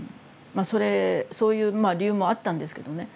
まあそれそういう理由もあったんですけどね。